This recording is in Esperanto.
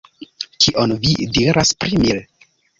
Kion vi diras pri mi?